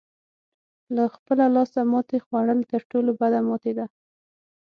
له خپله لاسه ماتې خوړل تر ټولو بده ماتې ده.